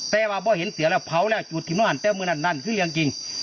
แต่ว่าไม่เห็นเสียแล้วเผาแล้วจุดที่มันหันเต้อมือนั่นนั่นคือเรียงจริง